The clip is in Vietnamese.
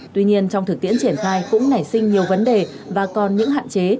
tuy nhiên trong thực tiễn triển khai cũng nảy sinh nhiều vấn đề và còn những hạn chế